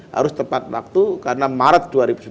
harus tepat waktu karena maret dua ribu sembilan belas